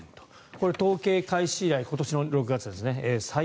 これ、統計開始以来今年の６月ですね